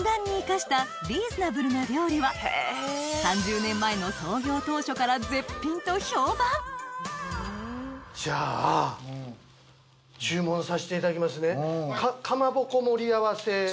３０年前の創業当初から絶品と評判じゃあ注文させていただきますね。